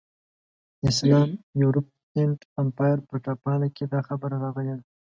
اسلام، یورپ اینډ امپایر په پاڼه کې دا خبره راغلې ده.